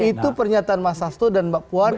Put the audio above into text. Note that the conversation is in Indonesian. itu pernyataan mas sasto dan mbak puan